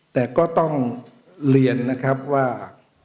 แต่ก็ต้องเรียนนะครับว่า